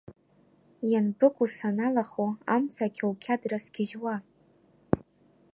Ианбыкәу саналахо, амца қьоуқьадра сгьежьуа?